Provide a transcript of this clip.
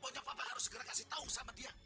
pokoknya papa harus segera kasih tau sama dia